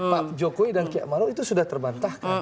pak jokowi dan kiamaruh itu sudah terbantahkan